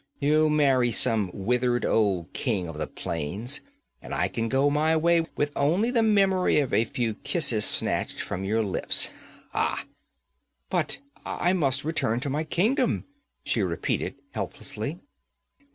You'll marry some withered old king of the plains, and I can go my way with only the memory of a few kisses snatched from your lips. Ha!' 'But I must return to my kingdom!' she repeated helplessly.